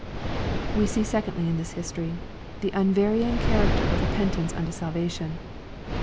We see secondly in this history, the unvarying char^ acter of repentance unto salvation.